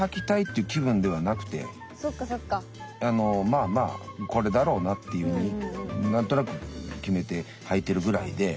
まあまあこれだろうなっていうふうに何となく決めてはいてるぐらいで。